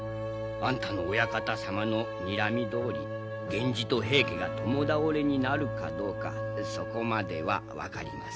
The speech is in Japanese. あんたのお館様のにらみどおり源氏と平家が共倒れになるかどうかそこまでは分かりませんがね。